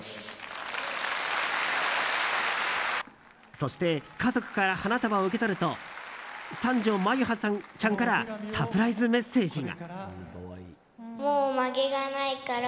そして、家族から花束を受け取ると三女・眞結羽ちゃんからサプライズメッセージが。